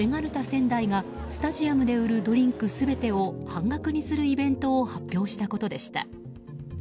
仙台がスタジアムで売るドリンク全てを半額にするイベントを発表したことでした。